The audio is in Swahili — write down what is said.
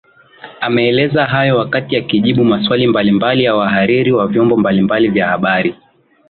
Ameeleza hayo wakati akijibu maswali mbalimbali ya wahariri wa vyombo mbalimbali vya habari